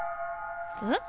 えっ？